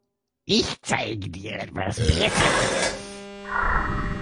Ich zeige dir etwas Besseres.